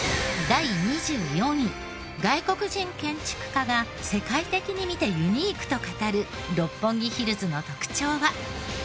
第２４位外国人建築家が世界的に見てユニークと語る六本木ヒルズの特徴は。